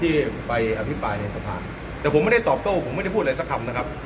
ที่ไปอภิปรายในสภาแต่ผมไม่ได้ตอบโต้ผมไม่ได้พูดอะไรสักคำนะครับ